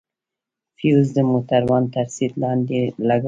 فيوز د موټروان تر سيټ لاندې لگوو.